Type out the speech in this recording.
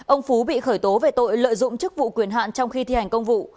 ông phú bị khởi tố về tội lợi dụng chức vụ quyền hạn trong khi thi hành công vụ